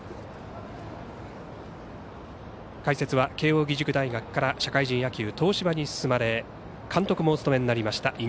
解説は慶応義塾大学から社会人野球東芝に進まれ監督もお務めになりました